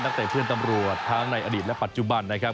เตะเพื่อนตำรวจทั้งในอดีตและปัจจุบันนะครับ